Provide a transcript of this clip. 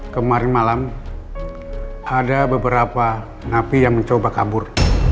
kemarin malam ada beberapa napi yang mencoba kabur